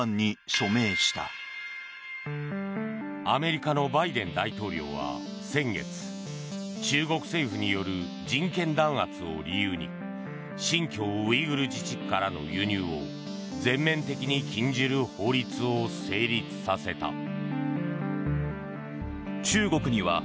アメリカのバイデン大統領は先月中国政府による人権弾圧を理由に新疆ウイグル自治区からの輸入を全面的に禁じる法律を成立させた。